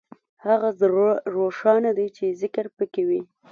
هغه زړه روښانه دی چې ذکر پکې وي.